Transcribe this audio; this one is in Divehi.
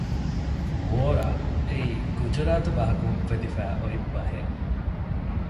ވޯރާ އެއީ ގުޖުރާތު ބަހަކުން އުފެދިފައި އޮތް ބަހެއް